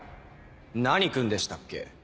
何君でしたっけ？